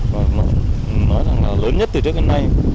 và nói rằng là lớn nhất từ trước đến nay